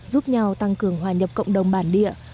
giúp nhau tăng cường hòa nhập cộng đồng bản địa